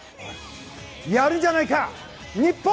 やるじゃないか、日本！